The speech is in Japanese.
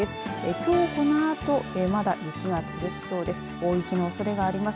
きょうこのあとまだ雪は続きそうです。